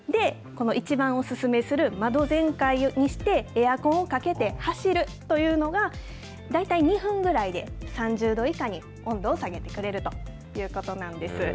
この一番お勧めする、窓全開にして、エアコンをかけて走るというのが、大体２分ぐらいで３０度以下に温度を下げてくれるということなんです。